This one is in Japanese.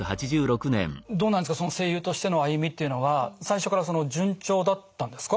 どうなんですかその声優としての歩みっていうのは最初から順調だったんですか？